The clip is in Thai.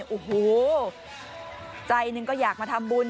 โอ้โหใจหนึ่งก็อยากมาทำบุญ